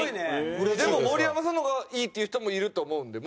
でも盛山さんの方がいいっていう人もいると思うので。